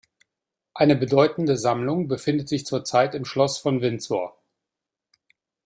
Eine bedeutende Sammlung befindet sich zurzeit im Schloss von Windsor.